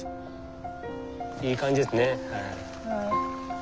いい感じですねはい。